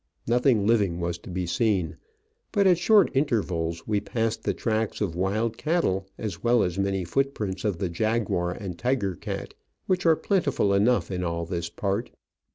Nothing living was to be seen, but at short intervals we passed the tracks of wild cattle, as well as many footprints of the jaguar and tiger cat, which are plentiful enough in all this part.